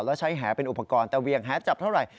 แล้วใช้แหเป็นอุปกรณ์แต่เวียงแหจับเท่าไหร่